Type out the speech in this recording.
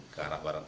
ke arah barang